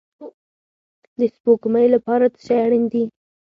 د سپوږمۍ لپاره څه شی اړین دی؟